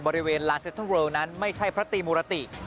บริเวณลานเซ็นทรัลเลิลนั้นไม่ใช่พระตรีมุรติ